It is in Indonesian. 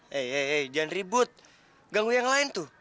hehehe jangan ribut ganggu yang lain tuh